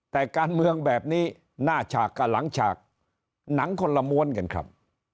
แต่การเมืองแบบนี้หน้าฉากกับหลังฉากหนังคนละม้วนกันครับ